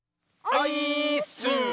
オイーッス！